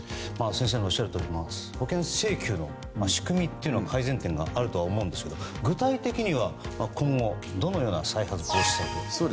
先生のおっしゃるとおり保険請求の仕組みは改善点があると思うんですが具体的には今後どのような再発防止策が？